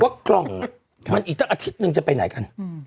กล่องมันอีกตั้งอาทิตย์นึงจะไปไหนกัน